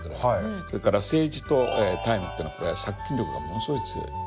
それからセージとタイムっていうのは殺菌力がものすごい強い。